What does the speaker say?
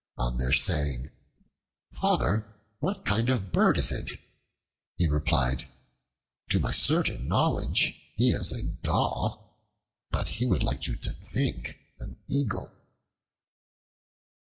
On their saying, "Father, what kind of bird is it?" he replied, "To my certain knowledge he is a Daw; but he would like you to think an Eagle."